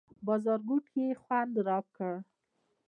بازارګوټي یې خوند راکړ.